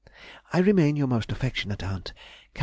I remain your most affectionate Aunt, CAR.